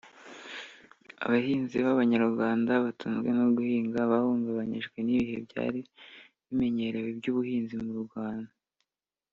Abahinzi b’abanyarwanda batunzwe no guhinga bahungabanyijwe n’ibihe byari bimenyerewe by’ubuhinzi mu Rwanda